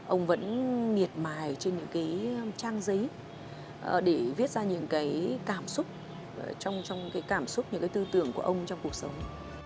ông vẫn nghiệt mài trên những cái trang giấy để viết ra những cái cảm xúc trong cái cảm xúc những cái tư tưởng của ông trong cuộc sống